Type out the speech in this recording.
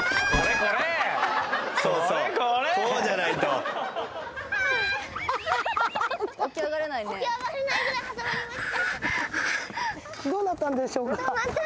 わあっどうなったんでしょうか？